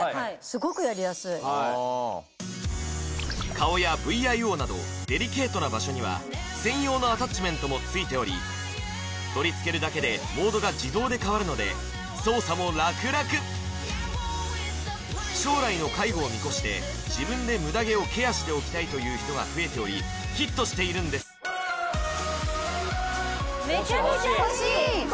顔やＶＩＯなどデリケートな場所には専用のアタッチメントもついており取り付けるだけでモードが自動で変わるので操作もラクラク将来の介護を見越しして自分でムダ毛をケアしておきたいという人が増えておりヒットしているんです欲しいですね